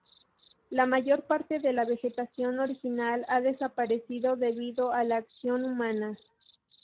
La mayor parte de la vegetación original ha desaparecido debido a la acción humana.